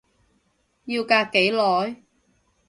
要隔幾耐？